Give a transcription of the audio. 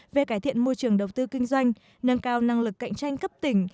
về cải thiện môi trường đầu tư kinh doanh nâng cao năng lực cạnh tranh cấp tỉnh